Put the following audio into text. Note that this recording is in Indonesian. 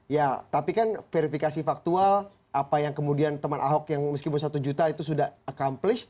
ya tapi kan verifikasi faktual apa yang kemudian teman ahok yang meskipun satu juta itu sudah akamplish